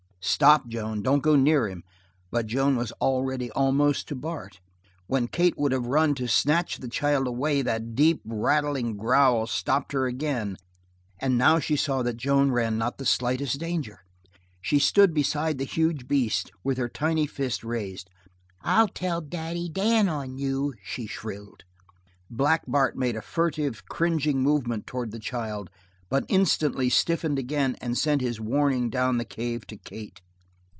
"Stop, Joan! Don't go near him!" But Joan was already almost to Bart. When Kate would have run to snatch the child away that deep, rattling growl stopped her again, and now she saw that Joan ran not the slightest danger. She stood beside the huge beast with her tiny fist raised. "I'll tell Daddy Dan on you," she shrilled. Black Bart made a furtive, cringing movement towards the child, but instantly stiffened again and sent his warning down the cave to Kate.